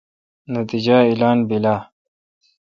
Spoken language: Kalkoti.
نتییجہ اعلان بیل آ؟